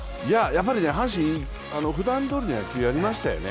やっぱり阪神、ふだんどおりの野球をやりましたよね。